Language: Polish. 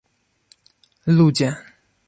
"Ludzie